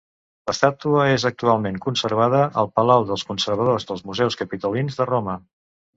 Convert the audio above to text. L'estàtua és actualment conservada al Palau dels Conservadors dels Museus Capitolins de Roma.